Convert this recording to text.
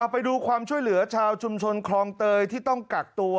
ไปดูความช่วยเหลือชาวชุมชนคลองเตยที่ต้องกักตัว